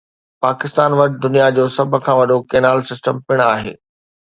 پاڪستان وٽ دنيا جو سڀ کان وڏو ڪينال سسٽم پڻ آهي